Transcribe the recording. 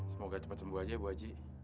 semoga cepet sembuh aja ya bu haji